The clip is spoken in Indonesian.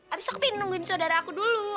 abis aku pindah nungguin sodara aku dulu